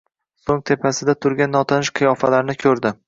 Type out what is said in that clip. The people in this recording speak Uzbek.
So‘ng tepasida turgan notanish qiyofalarni ko‘rdi.